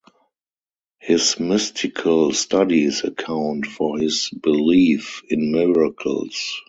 His mystical studies account for his belief in miracles.